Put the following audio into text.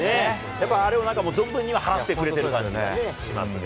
やっぱりあれを存分に発揮してくれてるような感じがしますが。